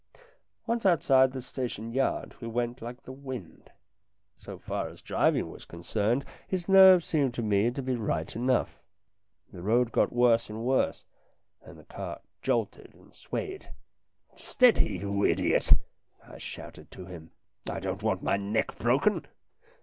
Once outside the station yard, we went like the wind. So far as driving was concerned, his nerves seemed to me to be right enough. The road got worse and worse, and the cart jolted and swayed. "Steady, you idiot!" I shouted to him. "I don't want my neck broken."